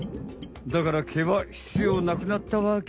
だから毛はひつようなくなったわけ。